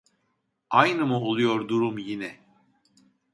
Aynı mı oluyor durum yine